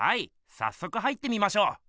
さっそく入ってみましょう。